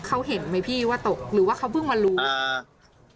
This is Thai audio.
ว่าตกหรือว่าเขาเพิ่งมารู้